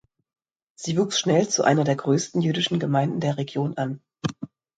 Sie wuchs schnell zu einer der größten jüdischen Gemeinden der Region an.